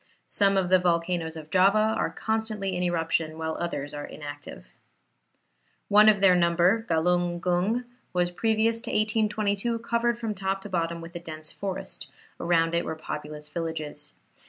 Some of the volcanoes of Java are constantly in eruption, while others are inactive. One of their number, Galung Gung, was previous to 1822 covered from top to bottom with a dense forest; around it were populous villages.